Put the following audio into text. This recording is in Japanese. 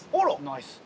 ナイス。